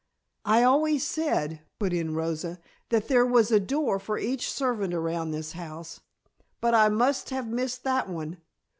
"I always said," put in Rosa, "that there was a door for each servant around this house, but I must have missed that one.